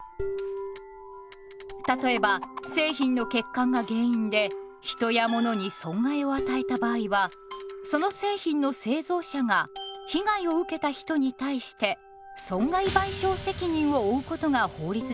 例えば製品の欠陥が原因で人やものに損害を与えた場合はその製品の製造者が被害を受けた人に対して損害賠償責任を負うことが法律で定められています。